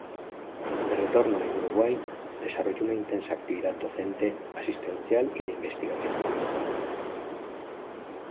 De retorno en Uruguay, desarrolló una intensa actividad docente, asistencial y de investigación.